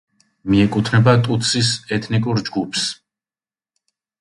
მიეკუთვნება ტუტსის ეთნიკურ ჯგუფს.